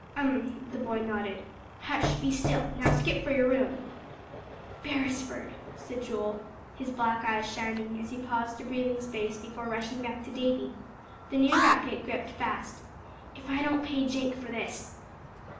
"Um," the boy nodded. "Hush, be still. Now skip for your room." "Beresford," said Joel, his black eyes shining as he paused a breathing space before rushing back to Davie, the new racket gripped fast, "if I don't pay Jenk for this!"